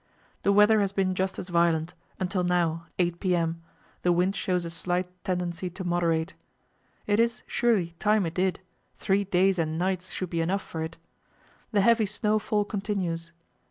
The weather has been just as violent, until now 8 p.m. the wind shows a slight tendency to moderate. It is, surely, time it did; three days and nights should be enough for it. The heavy snowfall continues.